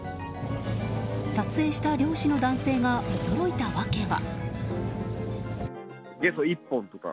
撮影した漁師の男性が驚いたわけは。